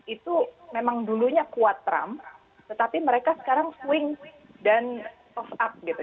itu memang dulunya kuat trump tetapi mereka sekarang swing dan soft up gitu